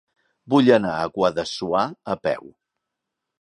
Vull anar a Guadassuar a peu.